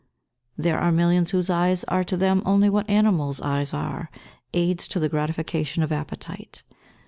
There are millions whose eyes are to them only what animals' eyes are aids to the gratification of appetite.